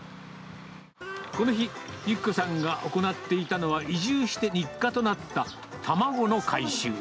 この日、由希子さんが行っていたのは、移住して日課となった卵の回収。